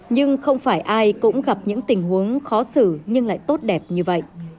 nhưng không phải ai cũng gặp những tình huống khó xử nhưng lại tốt đẹp như vậy